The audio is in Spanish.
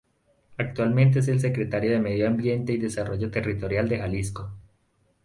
Actualmente es el Secretario de Medio Ambiente y Desarrollo Territorial de Jalisco.